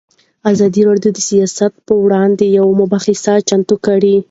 ازادي راډیو د سیاست پر وړاندې یوه مباحثه چمتو کړې.